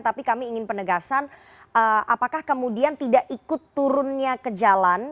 tapi kami ingin penegasan apakah kemudian tidak ikut turunnya ke jalan